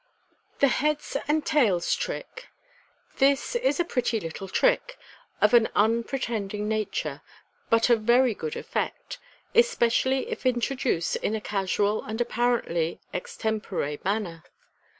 Thb "Heads and Tails" Trick. — This is a pretty little trick, of an unpretending nature, but of very good effect, especially if intro duced in a casual and apparently extempore manner.